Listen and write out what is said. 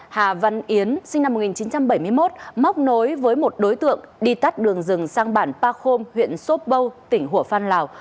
hà văn yến sinh năm một nghìn chín trăm bảy mươi một móc nối với một đối tượng đi tắt đường rừng sang bản pa khôn huyện sốt bâu tỉnh hủa phan lào